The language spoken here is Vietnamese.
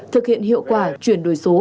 thực hiện hiệu quả chuyển đổi số